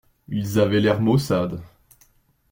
Ils avaient l’air maussade.